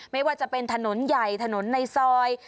ไม่ว่าจะเป็นถนนใหญ่ถนนในซอย